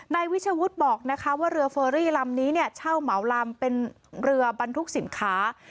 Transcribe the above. นายวิชวุฒิบอกนะคะว่าเรือเฟอรี่ลำนี้เนี่ยเช่าเหมาลำเป็นเรือบรรทุกสินค้า